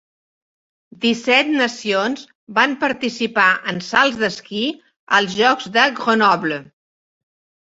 Disset nacions van participar en salts d'esquí als Jocs de Grenoble.